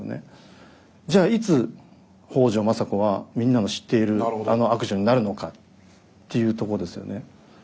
じゃあいつ北条政子はみんなの知っているあの悪女になるのかっていうとこですよね。